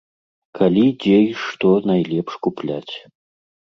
Калі, дзе і што найлепш купляць.